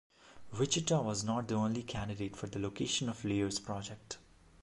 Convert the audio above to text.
Wichita was not the only candidate for the location of Lear's project.